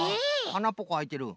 あなっぽこあいてる。